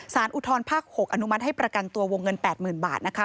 อุทธรภาค๖อนุมัติให้ประกันตัววงเงิน๘๐๐๐บาทนะคะ